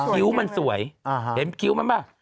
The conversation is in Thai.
คิ้วมันสวยเห็นคิ้วมันป่ะ